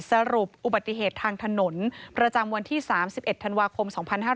สรุปอุบัติเหตุทางถนนประจำวันที่๓๑ธันวาคม๒๕๕๙